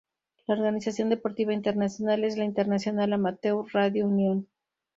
La organización deportiva internacional es la International Amateur Radio Union.